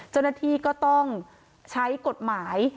เจ้าหน้าที่ก็ต้องใช้กฎหมาย